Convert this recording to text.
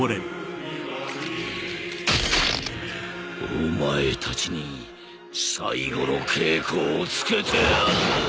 お前たちに最後の稽古をつけてやる。